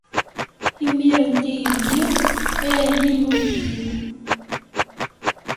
Imir-nni nniɣ: Ay Illu-iw!